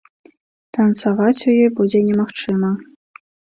Танцаваць у ёй будзе немагчыма.